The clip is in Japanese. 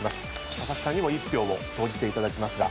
佐々木さんにも１票を投じていただきますが。